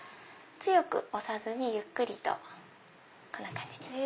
強く押さずにゆっくりとこんな感じで。